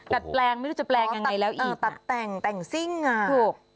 แปลงไม่รู้จะแปลงยังไงแล้วอีกตัดแต่งแต่งซิ่งอ่ะถูก